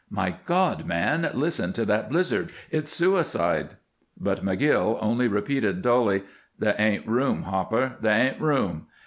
"My God, man, listen to that blizzard! It's suicide!" But McGill only repeated, dully: "There ain't room, Hopper. There ain't room!"